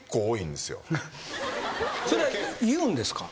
それは言うんですか？